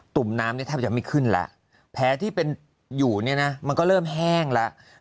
ุ่มน้ำเนี่ยแทบจะไม่ขึ้นแล้วแผลที่เป็นอยู่เนี่ยนะมันก็เริ่มแห้งแล้ว